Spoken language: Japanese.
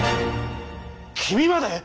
君まで！？